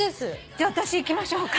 じゃあ私いきましょうか。